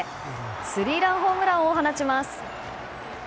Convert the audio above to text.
スリーランホームランを放ちます。